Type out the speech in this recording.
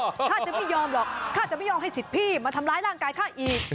ถ้าจะไม่ยอมหรอกข้าจะไม่ยอมให้สิทธิ์พี่มาทำร้ายร่างกายข้าอีก